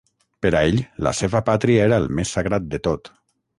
Per a ell, la seva pàtria era el més sagrat de tot.